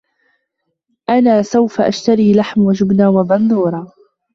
انا سوف اشتري لحم وجبنة وبندورة